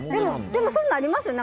でも、そういうのありますよね。